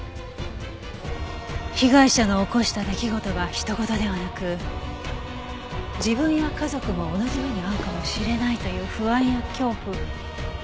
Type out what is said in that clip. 被害者の起こした出来事が人ごとではなく自分や家族も同じ目に遭うかもしれないという不安や恐怖。